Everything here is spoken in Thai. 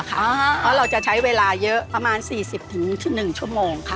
เพราะเราจะใช้เวลาเยอะประมาณ๔๐๑ชั่วโมงค่ะ